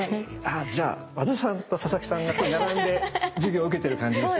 じゃあ和田さんと佐々木さんが並んで授業受けてる感じですね。